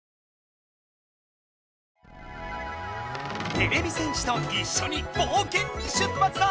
てれび戦士といっしょにぼうけんにしゅっぱつだ！